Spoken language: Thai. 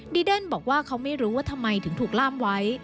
เดนบอกว่าเขาไม่รู้ว่าทำไมถึงถูกล่ามไว้